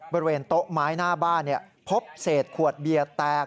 บริเวณโต๊ะไม้หน้าบ้านพบเศษขวดเบียร์แตก